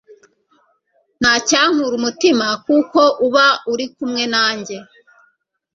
nta cyankura umutima, kuko uba uri kumwe nanjye